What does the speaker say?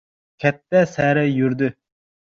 Katta sari yurdi.